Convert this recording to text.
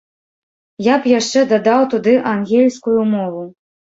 Я б яшчэ дадаў туды ангельскую мову.